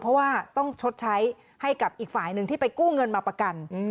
เพราะว่าต้องชดใช้ให้กับอีกฝ่ายหนึ่งที่ไปกู้เงินมาประกัน